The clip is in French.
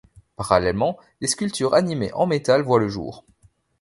Parallèlement, des sculptures animées en métal voient le jour.